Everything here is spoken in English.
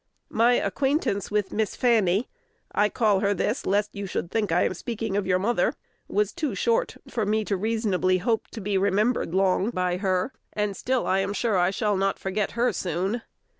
My acquaintance with Miss Fanny (I call her this, lest you should think I am speaking of your mother) was too short for me to reasonably hope to long be remembered by her; and still I am sure I shall not forget her soon.